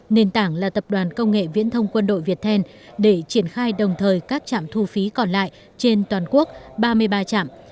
nền tảng là tập đoàn công nghệ viễn thông quân đội việt then để triển khai đồng thời các trạm thu phí còn lại trên toàn quốc ba mươi ba trạm